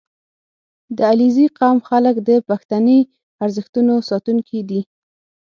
• د علیزي قوم خلک د پښتني ارزښتونو ساتونکي دي.